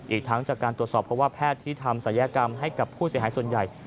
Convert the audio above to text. อีกทั้งจากการตรวจสอบเพราะว่าแพทย์ที่ทำศัลยกรรมให้กับผู้เสียหายส่วนใหญ่